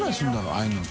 ああいうの。